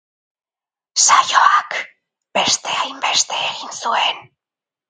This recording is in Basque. Saioak beste hainbeste egin zuen.